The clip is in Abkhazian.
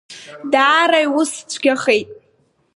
Даара иус цәгьахеит!